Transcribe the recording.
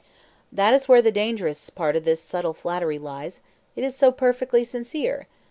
"That is where the dangerous part of this subtle flattery lies; it is so perfectly sincere.